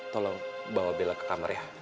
tolong bawa bela ke kamar ya